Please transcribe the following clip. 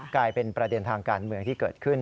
กลายเป็นประเด็นทางการเมืองที่เกิดขึ้น